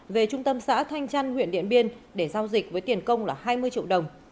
về trung tâm xã thanh trăn huyện điện biên để giao dịch với tiền công là hai mươi triệu đồng